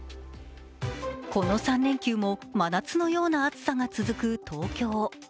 この３連休も真夏のような暑さが続く東京。